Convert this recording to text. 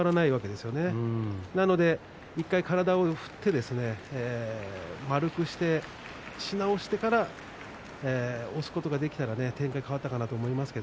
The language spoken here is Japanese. ですから１回、体を振って丸くなって押し直してからそして、また押すことができたら展開が変わったと思います。